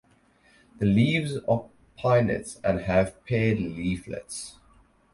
The leaves are pinnate and have paired leaflets.